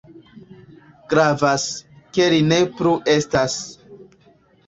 Gravas, ke li ne plu estas.